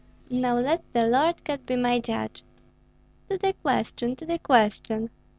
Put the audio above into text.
Now let the Lord God be my judge." "To the question, to the question!"